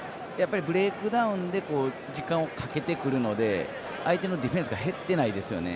ブレイクダウンで時間をかけてくるので相手のディフェンスが減ってないですよね。